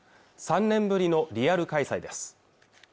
３年ぶりのリアル開催です